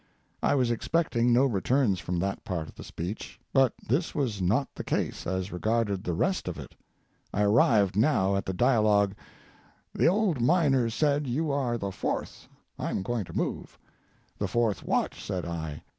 I was expecting no returns from that part of the speech, but this was not the case as regarded the rest of it. I arrived now at the dialogue: "The old miner said, 'You are the fourth, I'm going to move.' 'The fourth what?' said I.